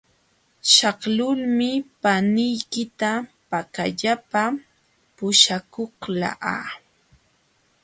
Shaqlunmi paniykita pakallapa puśhakuqlaa.